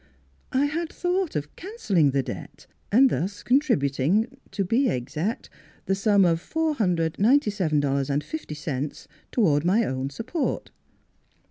I had thought of cancelling the debt, and thus contributing — to be exact — the sum of four hundred, ninety seven dollars and fifty cents toward my own support."